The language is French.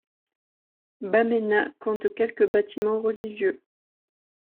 Bamena compte quelques bâtiments religieux.